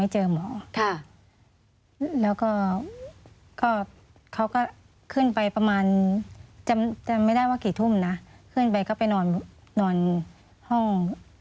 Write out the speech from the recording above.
ห้อง